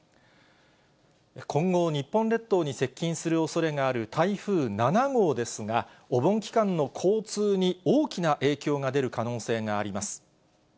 今後、日本列島に接近するおそれのある台風７号ですが、お盆期間の交通に大きな影響が出る可能性があります。